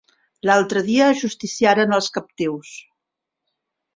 L'altre dia ajusticiaren els captius.